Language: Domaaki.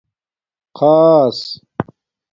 خآص